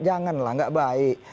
janganlah gak baik